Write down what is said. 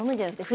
はい。